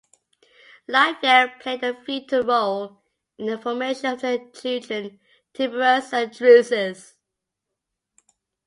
Livia played a vital role in the formation of her children Tiberius and Drusus.